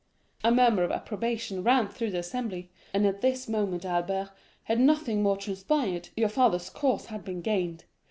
"A murmur of approbation ran through the assembly; and at this moment, Albert, had nothing more transpired, your father's cause had been gained.